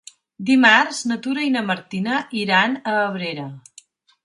Dimarts na Tura i na Martina iran a Abrera.